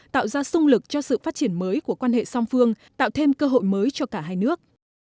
tạo ra sung lực cho sự phát triển mới của quan hệ song phương tạo thêm cơ hội mới cho cả hai nước